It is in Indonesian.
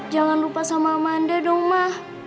jangan lupa sama amanda dong ma